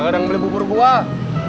kadang beli bubur buah